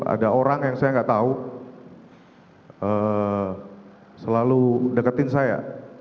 ada orang yang saya nggak tahu selalu deketin saya